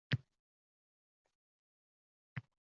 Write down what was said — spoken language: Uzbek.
Ichidan bir yigit ildam tushdi.